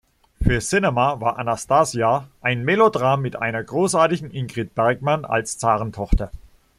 Für "Cinema" war "Anastasia" ein „Melodram mit einer großartigen Ingrid Bergman als Zarentochter“.